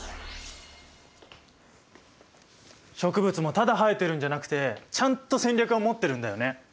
植物もただ生えてるんじゃなくてちゃんと戦略を持ってるんだよね。